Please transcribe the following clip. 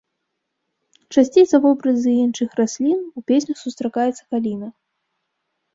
Часцей за вобразы іншых раслін у песнях сустракаецца каліна.